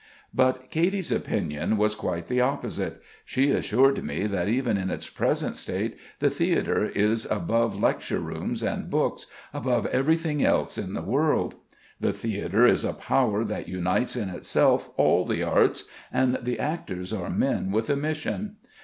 But Katy's opinion was quite the opposite. She assured me that even in its present state the theatre is above lecture rooms and books, above everything else in the world. The theatre is a power that unites in itself all the arts, and the actors are men with a mission.